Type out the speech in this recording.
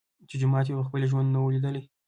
چي جومات یې په خپل ژوند نه وو لیدلی